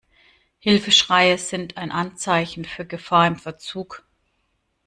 Hilfeschreie sind ein Anzeichen für Gefahr im Verzug.